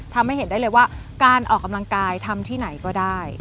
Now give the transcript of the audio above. ทำให้เห็นได้เลยว่าการออกกำลังกายทำที่ไหนก็ได้